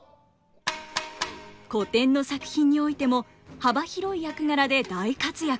古典の作品においても幅広い役柄で大活躍。